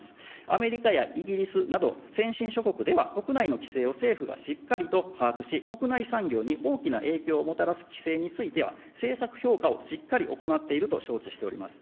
アメリカやイギリスなど、先進諸国では、国内の規制を政府がしっかりと把握し、国内産業に大きな影響をもたらす規制については、政策評価をしっかり行っていると承知しております。